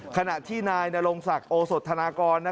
ขณะที่นายนรงศักดิ์โอสธนากร